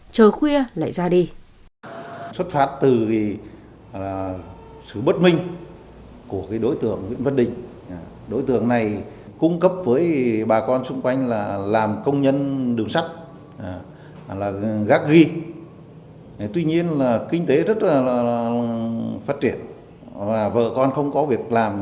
chờ khuya lại ra đi